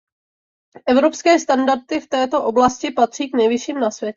Evropské standardy v této oblasti patří k nejvyšším na světě.